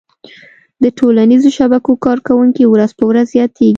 د ټولنیزو شبکو کارونکي ورځ په ورځ زياتيږي